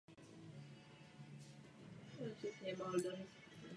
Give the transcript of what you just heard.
Zde proti němu vzniklo spiknutí a byl obviněn z čarodějnictví a provozování černé magie.